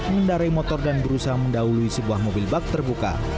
mendarai motor dan berusaha mendahului sebuah mobil bak terbuka